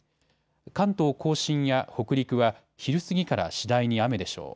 関東甲信や北陸は昼過ぎから次第に雨でしょう。